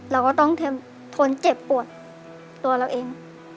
เราก็ต้องทนเจ็บปวดตัวเราเอง